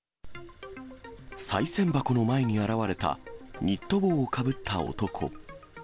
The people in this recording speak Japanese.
さい銭箱の前に現れた、ニット帽をかぶった男。